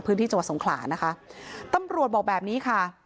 พื้นที่จัวร์สงขลานะคะตำรวจบอกแบบนี้ค่ะ